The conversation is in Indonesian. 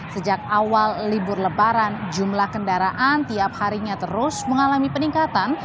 sejak awal libur lebaran jumlah kendaraan tiap harinya terus mengalami peningkatan